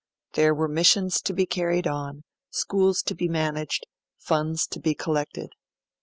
There were missions to be carried on, schools to be managed, funds to be collected.